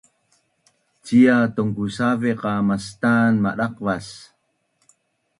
cia tongkusaveq qa mastan madaqvas